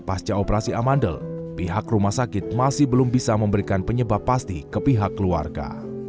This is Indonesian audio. pasca operasi amandel pihak rumah sakit masih belum bisa memberikan penyebab pasti ke pihak keluarga